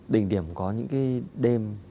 đỉnh điểm có những cái đêm